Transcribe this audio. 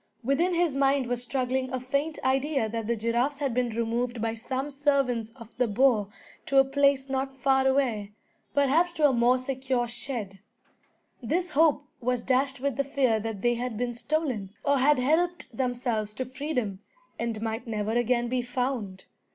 Within his mind was struggling a faint idea that the giraffes had been removed by some servants of the boer to a place not far away, perhaps to a more secure shed. This hope was dashed with the fear that they had been stolen, or had helped themselves to freedom, and might never again be found.